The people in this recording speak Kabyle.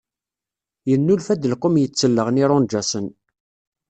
Yennulfa-d lqum yettelleɣen irunǧasen.